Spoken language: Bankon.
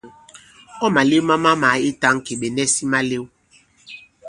Ɔ̂ màlew ma mamàa i tāŋki, ɓè nɛsi malew.